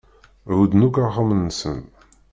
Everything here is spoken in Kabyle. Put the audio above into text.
Hudden akk axxam-nsen.